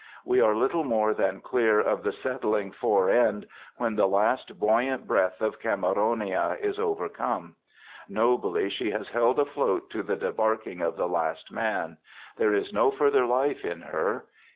We are little more than clear of the settling fore end when the last buoyant breath of Cameronia is overcome. Nobly she has held afloat to the debarking of the last man. There is no further life in her.